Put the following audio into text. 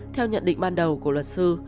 theo nhận định ban đầu của luật sư